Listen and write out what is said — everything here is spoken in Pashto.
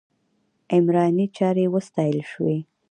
عمراني چارې وستایل شوې.